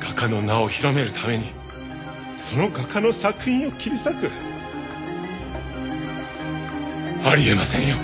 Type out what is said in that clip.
画家の名を広めるためにその画家の作品を切り裂く？あり得ませんよ！